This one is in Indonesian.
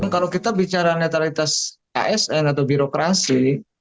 kalau kita bicara netralitas asn atau birokrasi